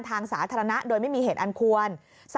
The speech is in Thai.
ทางสาธารณะโดยไม่มีเหตุอันควร